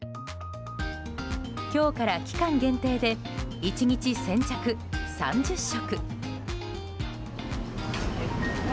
今日から期間限定で１日先着３０食。